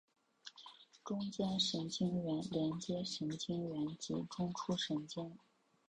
中间神经元连接神经元及中枢神经。